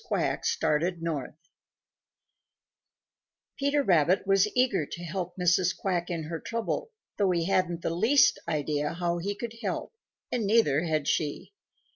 QUACK STARTED NORTH Peter Rabbit was eager to help Mrs. Quack in her trouble, though he hadn't the least idea how he could help and neither had she.